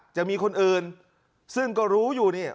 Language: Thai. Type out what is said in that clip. จะมีคนอื่นซึ่งก็รู้อยู่นี่